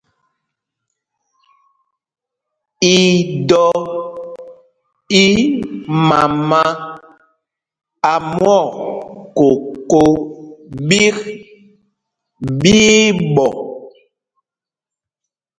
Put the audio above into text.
Idɔ í mama a mwɔk koko ɓîk, ɓí í ɓɔ.